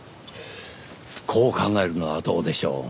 こう考えるのはどうでしょう。